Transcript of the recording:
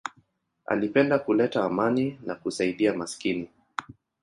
Alipenda kuleta amani na kusaidia maskini.